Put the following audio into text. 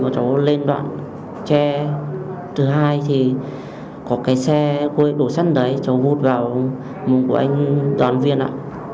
cháu lên đoạn tre thứ hai thì có cái xe đổ sắt đấy cháu vút vào mông của anh đoàn viên ạ